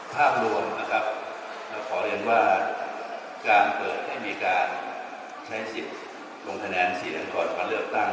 ภาพรวมขอเรียนว่าการเปิดให้มีการใช้สิทธิ์ลงทะแนนสิทธิ์ก่อนความเลือกตั้ง